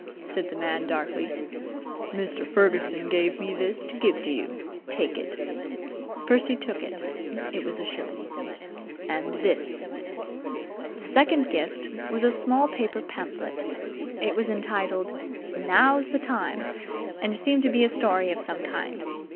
said the man darkly. "Mr. Ferguson give me this to give to you. Take it!" Percy took it. It was a shilling. "And this." The second gift was a small paper pamphlet. It was entitled "Now's the Time!" and seemed to be a story of some kind.